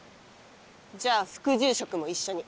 じゃあ副住職も一緒に。